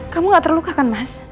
kamu gak terluka kan mas